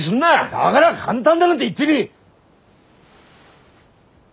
だがら簡単だなんて言ってねえ！